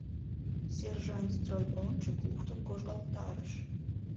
Сержант строй ончык луктын кожгалтарыш